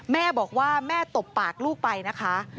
แม่บอกว่าแม่ตบปากลูกไปนะคะ